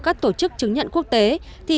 các tổ chức chứng nhận quốc tế thì